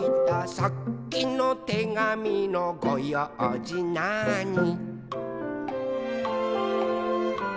「さっきのてがみのごようじなーに」